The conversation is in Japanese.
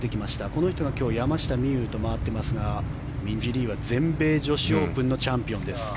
この人が今日山下美夢有と回っていますがミンジー・リーは全米女子オープンのチャンピオンです。